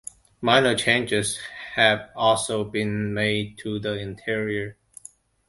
Minor changes have also been made to the interior.